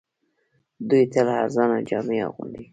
دوی تل ارزانه جامې اغوندي